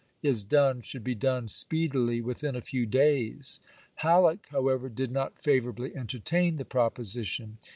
is done should be done speedily, within a few days." Halleck, however, did not favorably entertain the proposition.